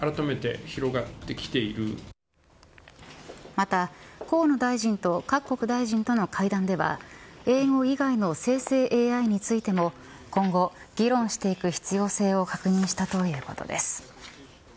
また河野大臣と各国大臣との会談では英語以外の生成ＡＩについても今後、議論していく必要性を確認したということです。